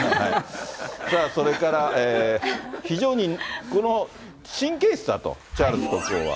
それから非常にこの神経質だと、チャールズ国王は。